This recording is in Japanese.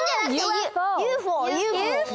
ＵＦＯ！